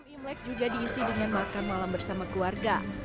imlek juga diisi dengan makan malam bersama keluarga